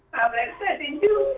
mohon maaf lahir batin juga